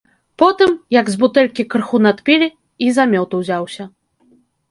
Потым, як з бутэлькі крыху надпілі, і за мёд узяўся.